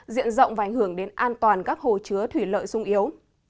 diện rộng và ảnh hưởng đến an toàn các hồ chứa thủy lợi sung yếu